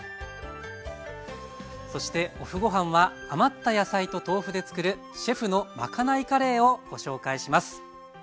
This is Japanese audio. そしてＯＦＦごはんは余った野菜と豆腐でつくるシェフのまかないカレーをご紹介します。